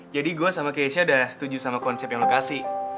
jadi gue sama keisha udah setuju sama konsep yang lo kasih